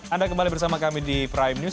anda kembali bersama kami di prime news